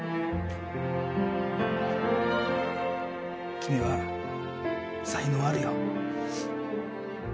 君は才能あるよ。